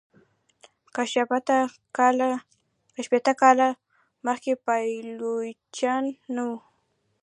که شپیته کاله مخکي پایلوچان نه وه.